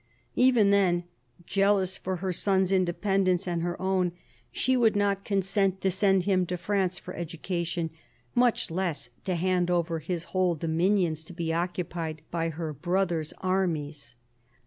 Even then, jealous for her son's independence and her own, she would not consent to 275 THE CARDINAL 277 send him to France for education, much less to hand over his whole dominions to be occupied by her brother's armies.